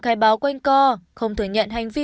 khai báo quanh co không thừa nhận hành vi